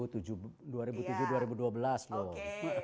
dua ribu tujuh dua ribu dua belas loh